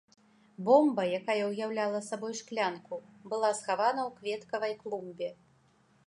Бомба, якая ўяўляла сабой шклянку, была схавана ў кветкавай клумбе.